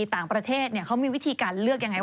ต่างประเทศเขามีวิธีการเลือกยังไง